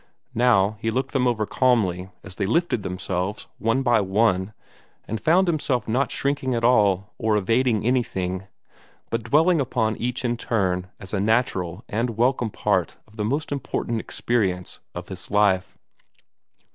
Now he looked them over calmly as they lifted themselves, one by one, and found himself not shrinking at all, or evading anything, but dwelling upon each in turn as a natural and welcome part of the most important experience of his life.